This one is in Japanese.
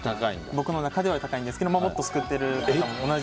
僕の中では高いんですがもっとすくってる方も。